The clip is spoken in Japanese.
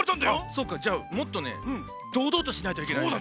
そっかじゃあもっとねどうどうとしないといけないね。